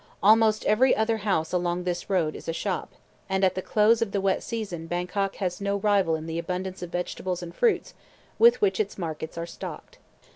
Almost every other house along this road is a shop, and at the close of the wet season Bangkok has no rival in the abundance of vegetables and fruits with which its markets are stocked.